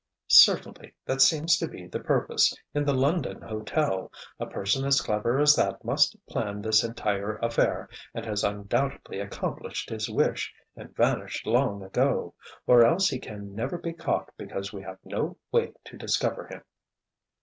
"Certainly. That seemed to be the purpose, in the London hotel. A person as clever as that must have planned this entire affair and has undoubtedly accomplished his wish and vanished long ago—or else he can never be caught because we have no way to discover him."